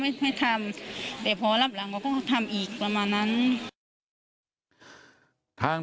ไม่ทำแต่เพราะว่าร่ำเพราะก็ทำอีกประมาณนั้นทาง